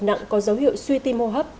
nặng có dấu hiệu suy tim mô hấp